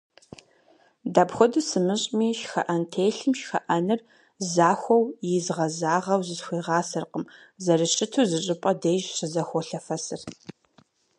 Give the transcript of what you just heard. Дапхуэду сымыщӏыми, шхыӏэнтелъым шхыӏэныр захуэу изгъэзагъэу зысхуегъасэркъым, зэрыщыту зыщӏыпӏэ деж щызэхуолъэфэсыр.